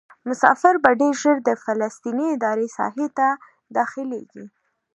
مسافر به ډېر ژر د فلسطیني ادارې ساحې ته داخلیږي.